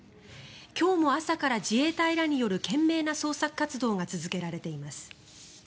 今日も朝から自衛隊らによる懸命な捜索活動が続けられています。